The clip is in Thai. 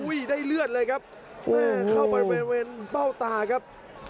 โอ้โหได้เลือดเลยครับแม่เข้าไปเป็นเป้าตาครับ